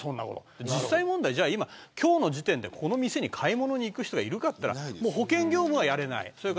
実際問題、今日の時点でこの店に買い物に行く人がいるかと言ったら保険業務はやれない。